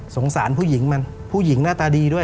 สารผู้หญิงมันผู้หญิงหน้าตาดีด้วย